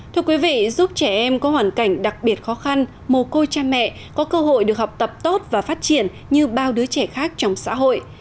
thưa quý vị giúp trẻ em có hoàn cảnh đặc biệt khó khăn mồ côi cha mẹ có cơ hội được học tập tốt và phát triển như bao đứa trẻ khác trong xã hội